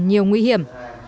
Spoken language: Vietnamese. nhiều nguy hiểm